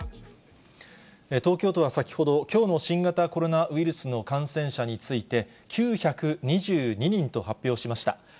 東京都は先ほど、きょうの新型コロナウイルスの感染者について９２２人と発表しました。